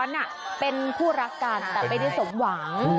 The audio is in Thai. น่ารู้งาน